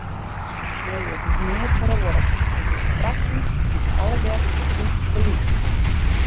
Nee, it is neat feroare, it is praktysk noch allegear presiis gelyk.